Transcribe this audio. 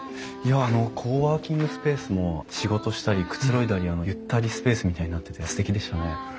いやあのコワーキングスペースも仕事したりくつろいだりゆったりスペースみたいになっててすてきでしたね。